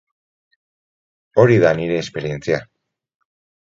Hori da nire esperientzia.